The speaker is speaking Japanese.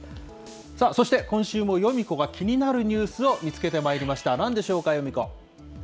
そして今週もヨミ子が気になるニュースを見つけてまいりました。